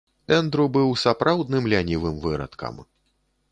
Эндру быў сапраўдным лянівым вырадкам.